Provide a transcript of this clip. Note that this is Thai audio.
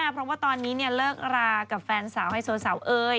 เพราะว่าตอนนี้เนี่ยเลิกลากับแฟนสาวให้โสดสาวเอ่ย